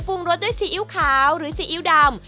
รสด้วยซีอิ๊วขาวหรือซีอิ๊วดำ